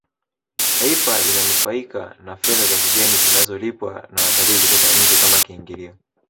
taifa linanufaika na fedha za kigeni zinazolipwa na watalii kutoka nje Kama kiingilio